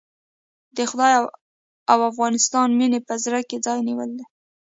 د خدای او افغانستان مينې په زړه کې ځای نيولی دی.